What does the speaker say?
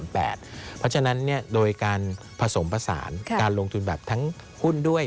เพราะฉะนั้นโดยการผสมผสานการลงทุนแบบทั้งหุ้นด้วย